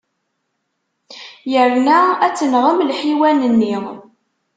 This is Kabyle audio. Yerna ad tenɣem lḥiwan-nni.